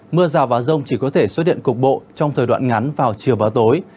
mưa rào vào rông chỉ có thể xuất điện cục bộ trong thời đoạn ngắn vào chiều và tối